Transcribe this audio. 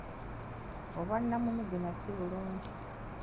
Obwannamunigina si bulungi.